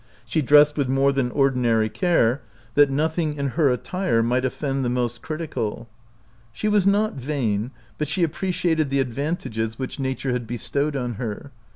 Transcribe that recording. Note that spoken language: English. She dressed with more than ordinary care, that nothing in her attire might offend the most critical. She was not vain, but she appreciated the advantages So OUT OF BOHEMIA which nature had bestowed on her.